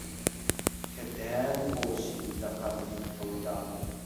کە دایانپۆشی لە قەبری تەنگا